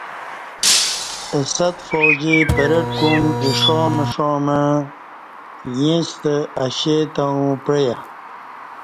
اہ صد فوجی پریڈ کُوم اِیݜاں مݜاں مع اِ یݪستہ اشے تاوں پعیہ